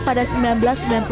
kim sedang menunggu